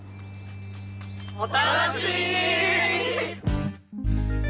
お楽しみに！